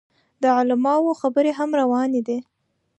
د علماو خبرې هم روانې دي.